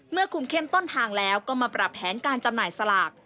คุมเข้มต้นทางแล้วก็มาปรับแผนการจำหน่ายสลาก